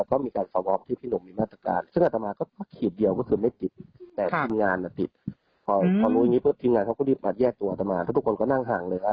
พอรู้อย่างงี้ปุ๊บทีงานเขาก็รีบมาแยกตัวต่อมาทุกคนก็นั่งห่างเลยค่ะ